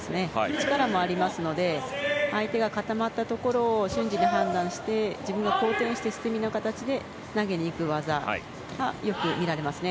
力もありますので相手が固まったところを瞬時に判断して自分が後転して、捨て身の形で投げにいく技がよく見られますね。